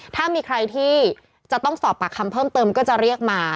ถ้ามีใครที่จะต้องสอบปากคำเพิ่มเติมก็จะเรียกมา